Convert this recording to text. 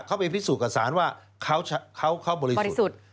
เขาไปพิสูจน์กับสารว่าเขาบริสุทธิ์